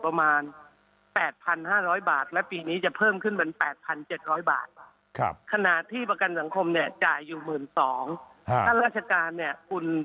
ท่านราชการเนี่ยคุณรักษาเท่าไหร่จ่ายเท่านั้น